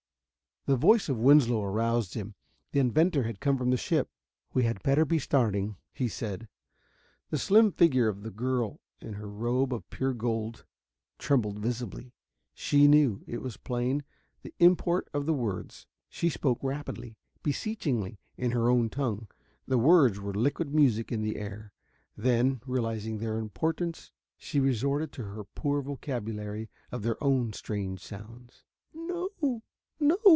The voice of Winslow aroused him. The inventor had come from his ship. "We had better be starting," he said. The slim figure of the girl in her robe of pure gold trembled visibly. She knew, it was plain, the import of the words. She spoke rapidly, beseechingly, in her own tongue. The words were liquid music in the air. Then, realizing their impotence, she resorted to her poor vocabulary of their own strange sounds. "No!"